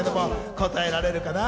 答えられるかな？